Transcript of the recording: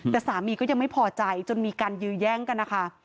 แต่สามีก็ยังไม่พอใจจนมีการยื้อแย่งกันนะคะ